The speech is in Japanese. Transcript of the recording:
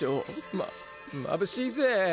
ままぶしいぜ。